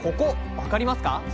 分かりますか？